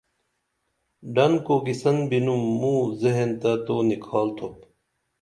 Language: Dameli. ڈن کوکِسن بِنُم موں ذہین تہ تو نِکھال تُھوپ